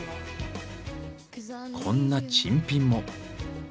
こんな珍品も。